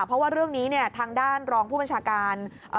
เพราะว่าเรื่องนี้เนี่ยทางด้านรองผู้บัญชาการ